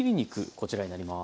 こちらになります。